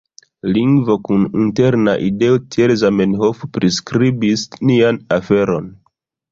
Lingvo kun interna ideo tiel Zamenhof priskribis nian aferon.